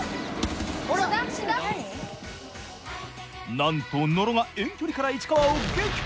なんと野呂が遠距離から市川を撃破。